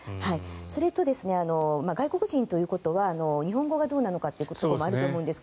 それと外国人ということは日本語がどうなのかということもあると思いますが。